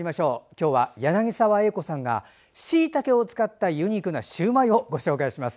今日は柳澤英子さんがしいたけを使ったユニークなシューマイをご紹介します。